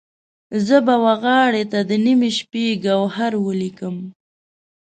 زه به وغاړې ته د نیمې شپې، ګوهر ولیکم